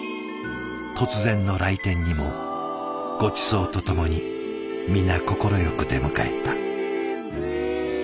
突然の来店にもごちそうとともに皆快く出迎えた。